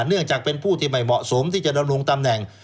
เนื่องจากเป็นผู้ที่ไม่เหมาะสมที่จะดำรงตำแหน่ง